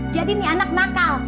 jadi nih anak nakal